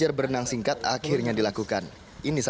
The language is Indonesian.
ah cengeng tuh menyulitkan apanya